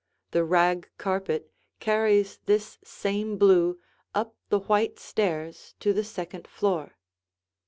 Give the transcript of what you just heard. The rag carpet carries this same blue up the white stairs to the second floor.